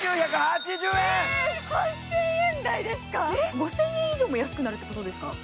５０００円以上も安くなるってことですか。